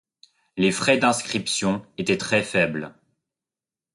Les frais d'inscription étaient très faibles.